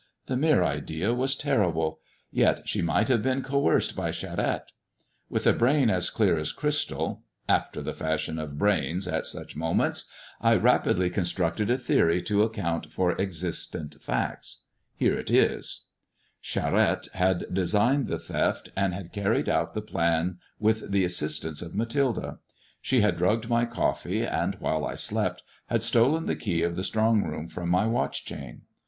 The mere idea was terrible ; yet she might have been coerced by Charette. With a brain as clear as crystal — after the fashion of brains at such moments — I rapidly constructed a theory to account for existent facts. Here it is :— Mir COUSIN FROM FRANCE 881 Charette had designed the theft, and had carried out the plans with the assistance of Mathilde. She had drugged my coffee, and, while I slept, had stolen the key of the strong room from my watch chain.